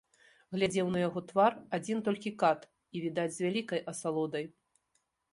Глядзеў на яго твар адзін толькі кат, і, відаць, з вялікай асалодай.